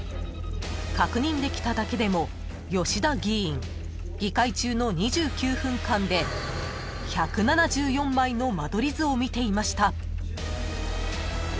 ［確認できただけでも吉田議員議会中の２９分間で１７４枚の間取り図を見ていました］